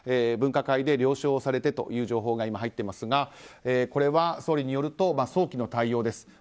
分科会で了承をされてという情報が入っていますがこれは総理によると早期の対応です。